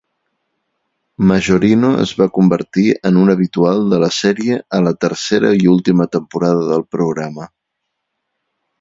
Majorino es va convertir en un habitual de la sèrie a la tercera i última temporada del programa.